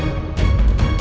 aku akan menang